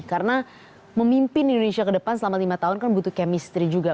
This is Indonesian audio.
karena memimpin indonesia ke depan selama lima tahun kan butuh chemistry juga